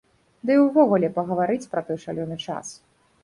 Ды і ўвогуле, пагаварыць пра той шалёны час.